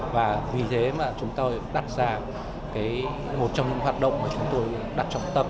và vì thế chúng ta đặt ra một trong những hoạt động mà chúng tôi đặt trong tầm